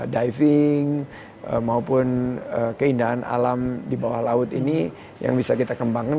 diving maupun keindahan alam di bawah laut ini yang bisa kita kembangkan